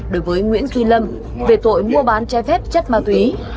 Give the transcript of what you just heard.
đối với nguyễn duy lâm về tội mua bán chai phép chất ma túy